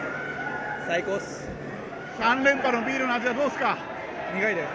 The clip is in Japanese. ３連覇のビールの味は苦いです。